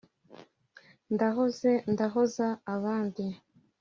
Ndahoze, ndahoza abandi: